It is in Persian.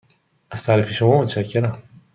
از تعریف شما متشکرم.